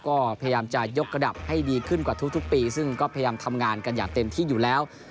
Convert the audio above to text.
ก็พยายามจะยกระดับให้ดีขึ้นกว่าทุกปีซึ่งก็พยายามทำงานกันอย่างเต็มที่อยู่แล้ว